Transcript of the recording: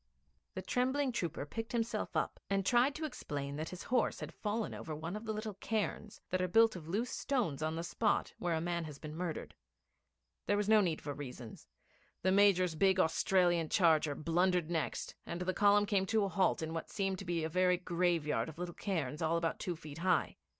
The trembling trooper picked himself up, and tried to explain that his horse had fallen over one of the little cairns that are built of loose stones on the spot where a man has been murdered. There was no need for reasons. The Major's big Australian charger blundered next, and the column came to a halt in what seemed to be a very graveyard of little cairns all about two feet high.